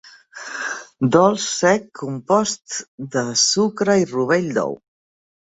Dolç sec compost de sucre i rovell d'ou.